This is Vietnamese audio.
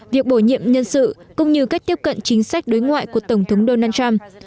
việc bổ nhiệm nhân sự cũng như cách tiếp cận chính sách đối ngoại của tổng thống donald trump